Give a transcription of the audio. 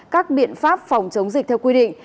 các biện pháp phòng chống dịch theo quy định